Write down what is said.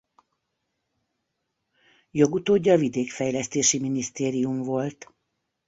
Jogutódja a Vidékfejlesztési Minisztérium volt.